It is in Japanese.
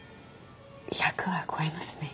１００は超えますね。